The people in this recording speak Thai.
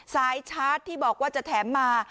สายชาร์จที่บอกว่าจะแถมมา